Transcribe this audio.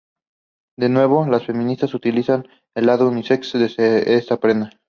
De nuevo, las feministas utilizan el lado unisex de esta prenda.